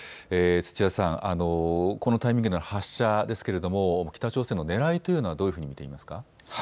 土屋さん、このタイミングでの発射ですけれども北朝鮮のねらいというのはどういうふうに見ていますか。